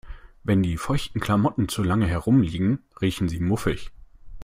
Wenn die feuchten Klamotten zu lange herumliegen, riechen sie muffig.